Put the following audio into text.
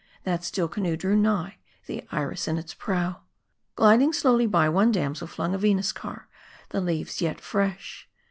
That still canoe drew nigh, the Iris in its prow. Gliding slowly by, one damsel flung a Venus car, the leaves yet fresh.